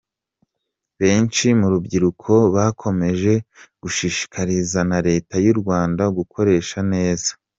benshi mu rubyiruko bakomeje gushishikarizwa na Leta yu Rwanda gukoresha neza.